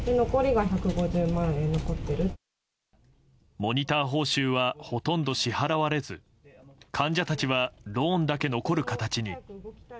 モニター報酬はほとんど支払われず患者たちはローンだけ残る形に。